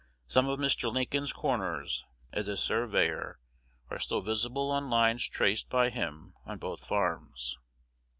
"Some of Mr. Lincoln's corners, as a surveyor, are still visible on lines traced by him on both farms."